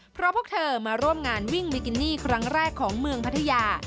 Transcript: เพราะพวกเธอมาร่วมงานวิ่งบิกินี่ครั้งแรกของเมืองพัทยา